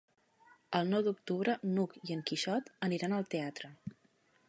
El nou d'octubre n'Hug i en Quixot aniran al teatre.